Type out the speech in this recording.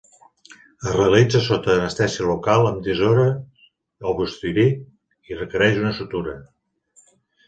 Es realitza sota anestèsia local amb tisores o bisturí i requereix una sutura.